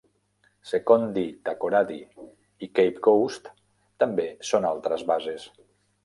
Sekondi-Takoradi i Cape Coast també són altres bases.